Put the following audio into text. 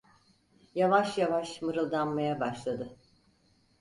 Yavaş yavaş mırıldanmaya başladı: